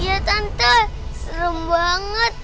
iya tante serem banget